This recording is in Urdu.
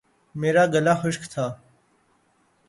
میرا گلا خشک تھا